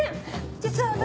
実は私。